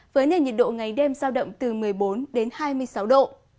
với nền nhiệt độ ngày đêm giao động từ một mươi bốn đến hai mươi sáu độ